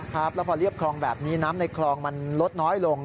ครับแล้วพอเรียบคลองแบบนี้น้ำในคลองมันลดน้อยลง